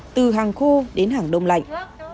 từ hàng khô đến hàng đông lạnh